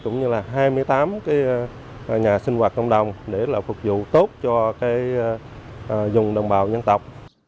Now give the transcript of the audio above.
tám nhà sinh hoạt công đồng để phục vụ tốt cho dùng đồng bào dân tộc